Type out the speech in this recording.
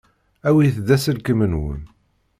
Awit-d aselkim-nwen.